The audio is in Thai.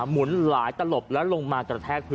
หมุนหลายตระหลบและลงมากระแทกบนก็